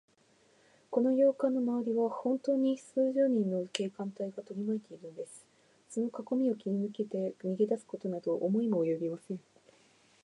この洋館のまわりは、ほんとうに数十人の警官隊がとりまいているのです。そのかこみを切りぬけて、逃げだすことなど思いもおよびません。